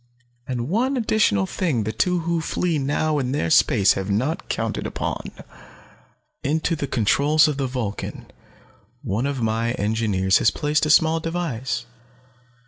And one additional thing the two who flee now there in space have not counted upon. "Into the controls of the Vulcan one of my engineers has placed a small device.